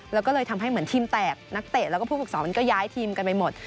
แล้วก็เลยทำให้เหมือนทีมแตกนักเตะแล้วก็ผู้ฝึกสอนมันก็ย้ายทีมกันไปหมด